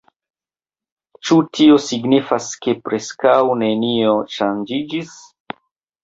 Ĉu tio signifas, ke preskaŭ nenio ŝanĝiĝis?